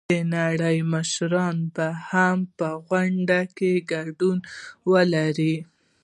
د نړۍ مشران به هم په غونډه کې ګډون ولري.